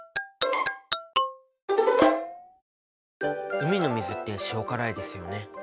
海の水って塩辛いですよね。